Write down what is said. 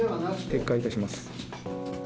撤回いたします。